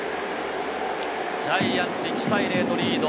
ジャイアンツ１対０とリード。